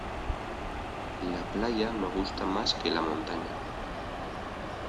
La playa me gusta más que la montaña.